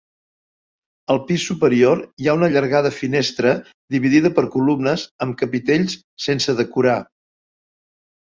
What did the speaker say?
Al pis superior hi ha una allargada finestra dividida per columnes amb capitells sense decorar.